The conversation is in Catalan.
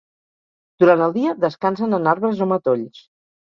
Durant el dia, descansen en arbres o matolls.